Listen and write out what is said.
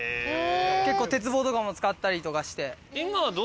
結構鉄棒とかも使ったりとかして。